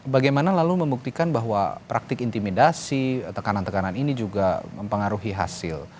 bagaimana lalu membuktikan bahwa praktik intimidasi tekanan tekanan ini juga mempengaruhi hasil